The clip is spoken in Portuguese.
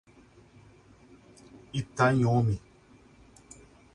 Itanhomi